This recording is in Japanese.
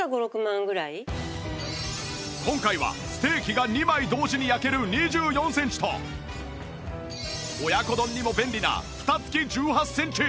今回はステーキが２枚同時に焼ける２４センチと親子丼にも便利な蓋付き１８センチ